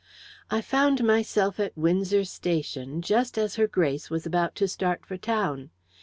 "I found myself at Windsor Station just as Her Grace was about to start for town.